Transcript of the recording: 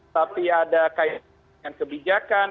tapi ada kaitan dengan kebijakan